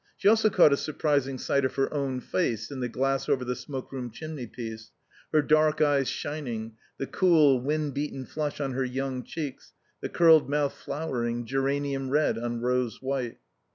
She also caught a surprising sight of her own face in the glass over the smoke room chimneypiece, her dark eyes shining, the cool, wind beaten flush on her young cheeks, the curled mouth flowering, geranium red on rose white.